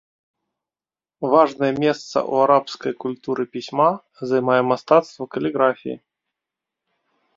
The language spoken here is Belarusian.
Важнае месца ў арабскай культуры пісьма займае мастацтва каліграфіі.